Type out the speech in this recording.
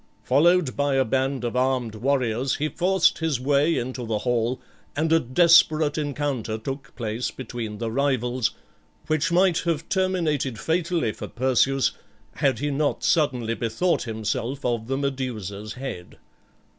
Followed by a band of armed warriors he forced his way into the hall, and a desperate encounter took place between the rivals, which might have terminated fatally for Perseus, had he not suddenly bethought himself of the Medusa's head.